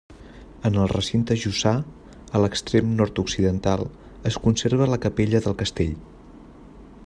En el recinte jussà, a l'extrem nord-occidental, es conserva la capella del castell.